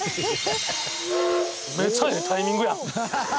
めっちゃ、ええタイミングや！